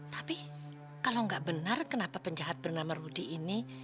tapi kalau nggak benar kenapa penjahat bernama rudy ini